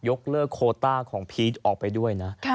เลิกโคต้าของพีชออกไปด้วยนะ